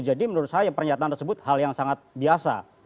jadi menurut saya pernyataan tersebut hal yang sangat biasa